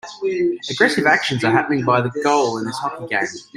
Aggressive actions are happening by the goal in this hockey game.